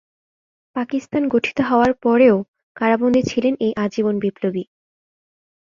পাকিস্তান গঠিত হওয়ার পরেও কারাবন্দী ছিলেন এই আজীবন বিপ্লবী।